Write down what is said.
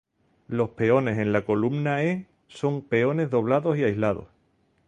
Los peones en la columna e son peones doblados y aislados.